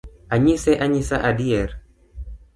Anyise anyisa adier